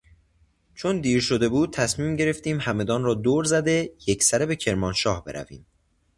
چون دیر شده بود تصمیم گرفتیم همدان را دور زده یکسره به کرمانشاه برویم.